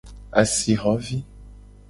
Asixo vi.